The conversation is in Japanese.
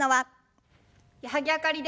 矢作あかりです。